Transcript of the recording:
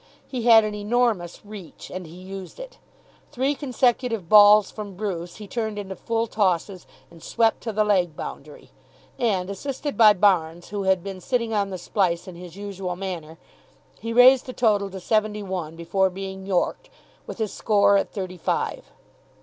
He had an enormous reach, and he used it. Three consecutive balls from Bruce he turned into full tosses and swept to the leg boundary, and, assisted by Barnes, who had been sitting on the splice in his usual manner, he raised the total to seventy one before being yorked, with his score at thirty five.